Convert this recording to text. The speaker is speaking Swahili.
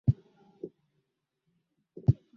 tangaza kupata ushindi wa asilimia themanini